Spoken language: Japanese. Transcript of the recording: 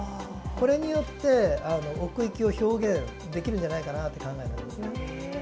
これによって奥行きを表現できるんじゃないかなと考えたんですよ